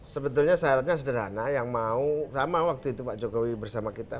sebetulnya syaratnya sederhana yang mau sama waktu itu pak jokowi bersama kita